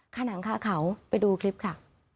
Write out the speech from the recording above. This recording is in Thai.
ข้าวหนังข้าวเขาไปดูคลิปค่ะ